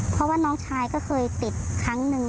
เพราะว่าน้องชายก็เคยติดครั้งหนึ่ง